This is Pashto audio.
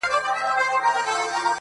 ترې وپوښتم چې څه شوي